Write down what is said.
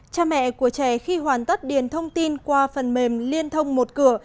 cha mẹ của trẻ khi hoàn tất điền thông tin qua phần mềm liên thông một cửa